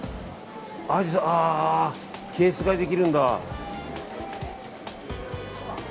あ、ケース買いできるんだ。